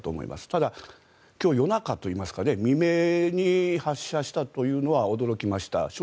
ただ、今日夜中といいますか未明に発射したというのは驚きました。